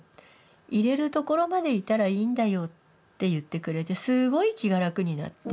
いれるところまでいたらいいんだよ」って言ってくれてすごい気が楽になって。